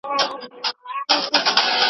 سوي دي، چي هدف یې د قومي او ژبني هویت